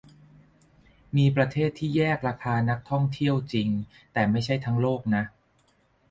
มีประเทศที่แยกราคานักท่องเที่ยวจริง แต่ไม่ใช่ทั้งโลกนะ